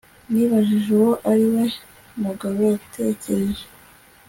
Nibajije uwo ari we mugabo yatekereje